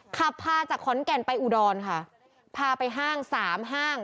ขับพาจากขอนแก่นไปอุดรค่ะพาไปห้างสามห้าง